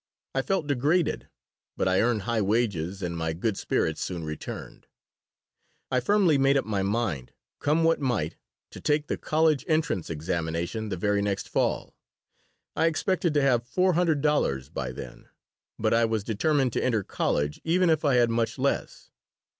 I felt degraded. But I earned high wages and my good spirits soon returned. I firmly made up my mind, come what might, to take the college entrance examination the very next fall. I expected to have four hundred dollars by then, but I was determined to enter college even if I had much less.